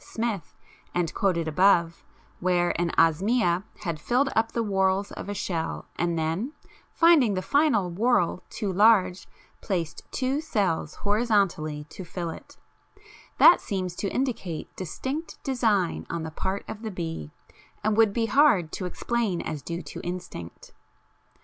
Smith, and quoted above, where an Osmia had filled up the whorls of a shell and then, finding the final whorl too large, placed two cells horizontally to fill it: that seems to indicate distinct design on the part of the bee and would be hard to explain as due to instinct.